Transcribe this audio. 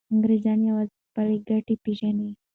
انګریزان یوازې خپله ګټه پیژني.